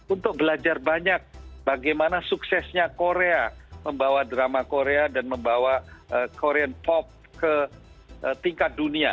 untuk belajar banyak bagaimana suksesnya korea membawa drama korea dan membawa korean pop ke tingkat dunia